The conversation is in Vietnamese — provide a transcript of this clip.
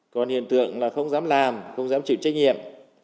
còn hiện tượng là không dám làm không dám chịu trách nhiệm